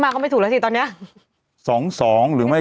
เป็นการกระตุ้นการไหลเวียนของเลือด